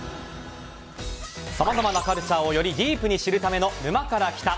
さまざまなカルチャーをよりディープに知るための「沼から来た。」。